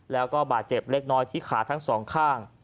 แล้วก็บาดเจ็บเล็กน้อยที่ขาทั้งสองข้าง